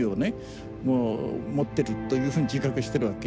持ってるというふうに自覚してるわけ。